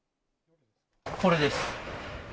これです。